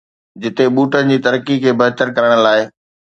جتي ٻوٽن جي ترقي کي بهتر ڪرڻ لاء